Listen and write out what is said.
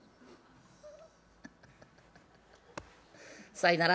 「さいなら」。